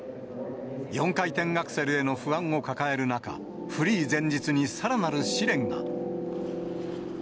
４回転アクセルへの不安を抱える中、フリー前日にさらなる試練が。